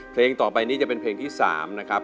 เพลงต่อไปนี้จะเป็นเพลงที่๓นะครับ